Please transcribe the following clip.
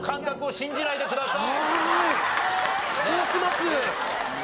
そうします。